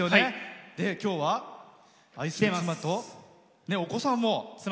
今日は愛する妻とお子さんも？